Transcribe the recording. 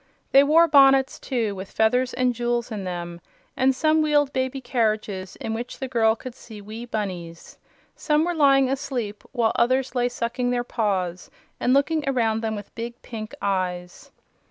They wore bonnets, too, with feathers and jewels in them, and some wheeled baby carriages in which the girl could see wee bunnies. Some were lying asleep while others lay sucking their paws and looking around them with big pink eyes.